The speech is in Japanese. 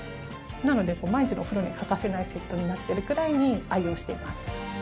なので、毎日のお風呂には欠かせないセットになってるぐらいに愛用しています。